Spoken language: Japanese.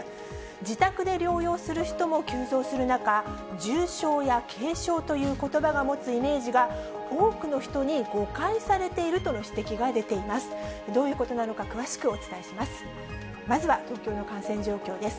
自宅で療養する人も急増する中、重症や軽症ということばが持つイメージが、多くの人に誤解されているとの指摘が出ています。